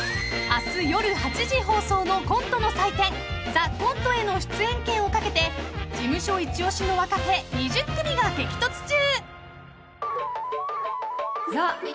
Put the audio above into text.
［明日夜８時放送のコントの祭典『ＴＨＥＣＯＮＴＥ』への出演権を懸けて事務所一押しの若手２０組が激突中］